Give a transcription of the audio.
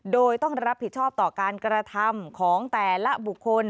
โดยต้องรับผิดชอบต่อการกระทำของแต่ละบุคคล